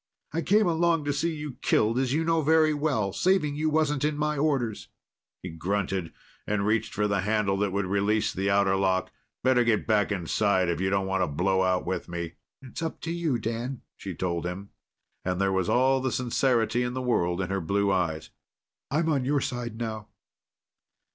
"I came along to see you killed, as you know very well. Saving you wasn't in my orders." He grunted and reached for the handle that would release the outer lock. "Better get back inside if you don't want to blow out with me." "It's up to you, Dan," she told him, and there was all the sincerity in the world in her blue eyes. "I'm on your side now."